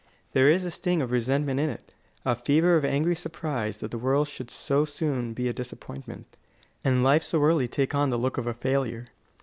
There is a sting of resentment in it, a fever of angry surprise that the world should so soon be a disappointment, and life so early take on the look of a failure.